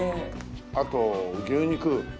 あと牛肉。